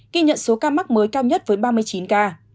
ghi nhận số ca mắc mới cao nhất với ba mươi chín ca